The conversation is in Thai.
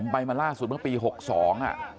ไปมาล่าสุดเมื่อปี๖๒อ่ะ